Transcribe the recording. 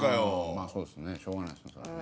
まぁそうですねしょうがないですねそれはね。